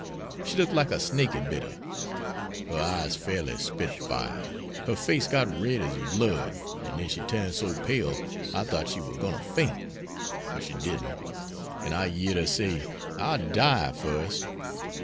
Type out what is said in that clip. She looked like a snake had bit her. Her eyes fairly spit fire. Her face got red ez blood, an' den she turned so pale I thought she war gwine to faint, but she didn't, an' I yered her say, 'I'll die fust.'